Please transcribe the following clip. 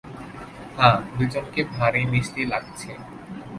হ্যাঁ, দুজনকে ভারি মিষ্টি লাগছে।